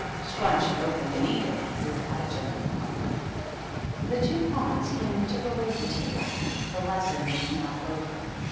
" Scraunch it open and eat it," replied Jemmy promptly. The two pawns came and took away the table the lesson was now over.